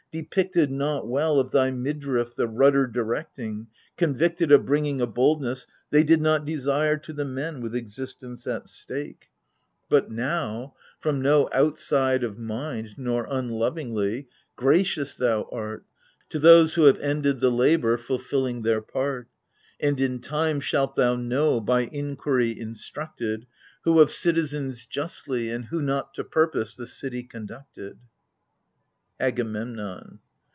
— depicted Not well of thy midriff the rudder directing, — con victed Of bringing a boldness they did not desire to the men with existence at stake. 66 AGAMEMNON. But now — from no outside of mind, nor unlovingly — gracious thou art To those who have ended the labor, fulfiUing their part ; And in time shalt thou know, by inquiry instructed, Who of citizens justly, and who not to purpose, the city conducted. AGAMEMNON.